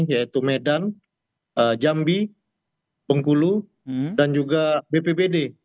yaitu medan jambi bengkulu dan juga bpbd